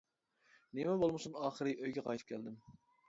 -نېمە بولمىسۇن ئاخىرى ئۆيگە قايتىپ كەلدىم.